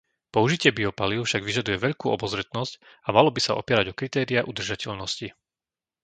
Použitie biopalív však vyžaduje veľkú obozretnosť a malo by sa opierať o kritériá udržateľnosti.